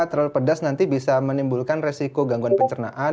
terlalu pedas nanti bisa menimbulkan resiko gangguan pencernaan